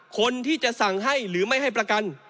คนที่จะสั่งให้หรือไม่ให้ประกัน